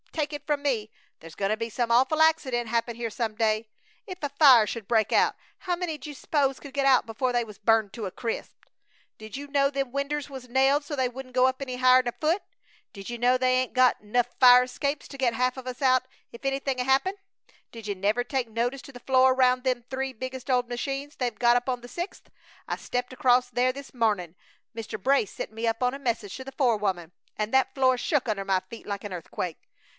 Take it from me, there's goin' to be some awful accident happen here some day! If a fire should break out how many d'you s'pose could get out before they was burned to a crisp? Did you know them winders was nailed so they wouldn't go up any higher 'n a foot? Did you know they 'ain't got 'nouf fire escapes to get half of us out ef anythin' happened? Did you never take notice to the floor roun' them three biggest old machines they've got up on the sixth? I stepped acrost there this mornin' Mr. Brace sent me up on a message to the forewoman an' that floor shook under my feet like a earthquake!